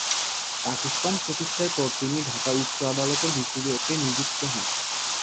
পাকিস্তান প্রতিষ্ঠার পর তিনি ঢাকা উচ্চ আদালতের বিচারক নিযুক্ত হন।